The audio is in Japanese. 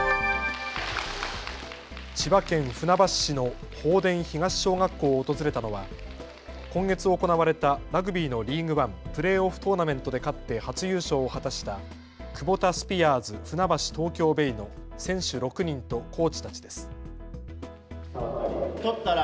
千葉県船橋市の法典東小学校を訪れたのは今月行われたラグビーのリーグワンプレーオフトーナメントで勝って初優勝を果たしたクボタスピアーズ船橋・東京ベイの選手６人とコーチたちです。